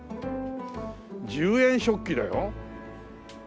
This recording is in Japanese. １０円食器だよ。